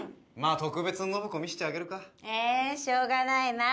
特別の信子見してあげるかえーしょうがないなあ